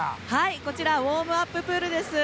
こちらウォームアッププールです。